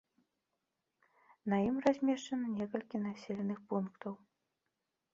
На ім размешчана некалькі населеных пунктаў.